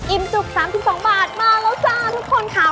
จุก๓๒บาทมาแล้วจ้าทุกคนค่ะ